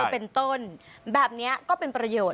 เป็นต้นแบบนี้ก็เป็นประโยชน